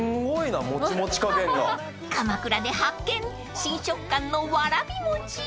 ［鎌倉で発見新食感のわらび餅］